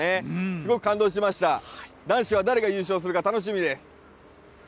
すごい感動しました、男子は誰が優勝するか楽しみです。